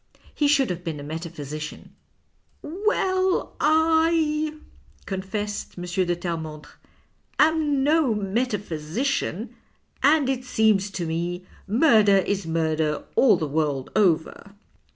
He should have been a metaphysician." " Well, I," confessed M. de Terremondrc, " am no metaphysician, and it seems to me murder is murder all the world over."